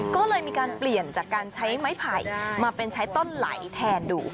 ก็เลยมีการเปลี่ยนจากการใช้ไม้ไผ่มาเป็นใช้ต้นไหลแทนดู